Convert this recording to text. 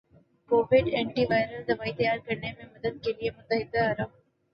Covid antiviral دوائی تیار کرنے میں مدد کے لئے متحدہ عرب